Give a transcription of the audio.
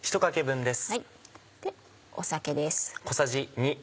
酒です。